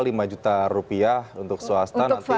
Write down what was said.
sd atau tk lima juta rupiah untuk swasta nanti sepuluh tahun kemudian